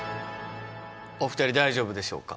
お二人大丈夫でしょうか？